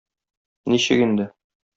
Ничек инде?!